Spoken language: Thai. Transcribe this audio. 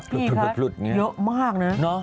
พี่คะเยอะมากนะ